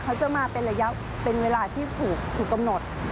เขาจะมาเป็นระยะเป็นเวลาที่ถูกกำหนด